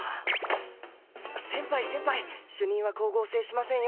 先輩先輩主任は光合成しませんよ。